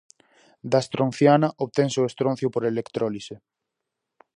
Da estronciana obtense o estroncio por electrólise.